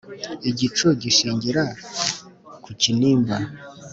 Igicu gishingira mu Kinimba